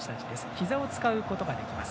ひざを使うことができます。